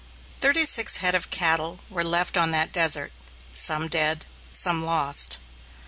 Thirty six head of cattle were left on that desert, some dead, some lost.